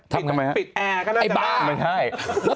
ทำไงฮะไอ้บ้าไม่ใช่